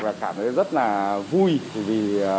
cảm thấy rất là vui vì